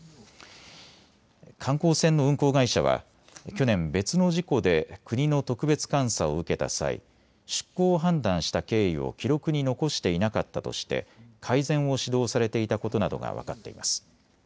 観光船の運航会社は去年、別の事故で国の特別監査を受けた際、出航を判断した経緯を記録に残していなかったとして改善を指導されていたことなどが分かっています。